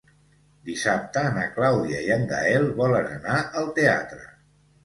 Dissabte na Clàudia i en Gaël volen anar al teatre.